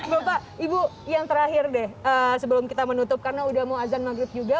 bapak ibu yang terakhir deh sebelum kita menutup karena udah mau azan maghrib juga